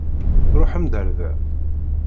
Ṛuḥem-d ar da.